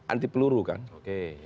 anti peluru kan oke